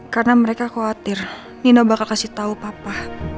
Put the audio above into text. karena mereka khawatir nino bakal kasih tau papa